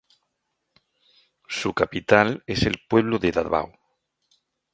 Su capital es el pueblo de Dávao.